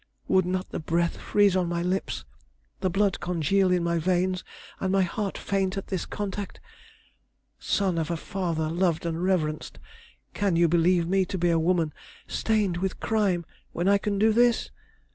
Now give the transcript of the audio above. Would not the breath freeze on my lips, the blood congeal in my veins, and my heart faint at this contact? Son of a father loved and reverenced, can you believe me to be a woman stained with crime when I can do this?"